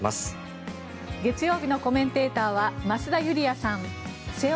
月曜日のコメンテーターは瀬尾傑さん、増田ユリヤさん。